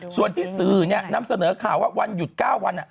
ส่วนที่สื่อนำเสนอข่าวว่าวันหยุด๙วัน